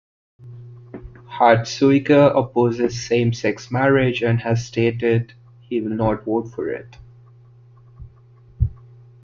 Hartsuyker opposes same-sex marriage and has stated he will not vote for it.